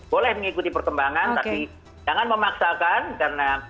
boleh mengikuti perkembangan tapi jangan memaksakan karena